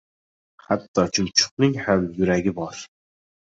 • Hatto chumchuqning ham yuragi bor.